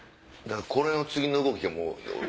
これの次の動きがもう。